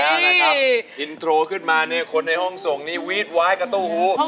เอาแล้วนะครับอินโทรขึ้นมาคนในห้องทรงนี้วีดวายกับตู้หู